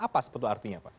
apa sebetulnya artinya pak